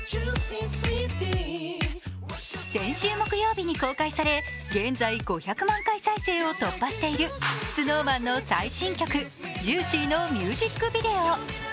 先週木曜日に公開され、現在５００万再生を突破しているＳｎｏｗＭａｎの最新曲「ＪＵＩＣＹ」のミュージックビデオ。